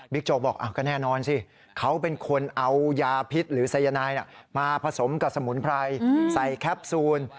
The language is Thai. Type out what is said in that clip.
โจ๊กบอกก็แน่นอนสิเขาเป็นคนเอายาพิษหรือสายนายมาผสมกับสมุนไพรใส่แคปซูล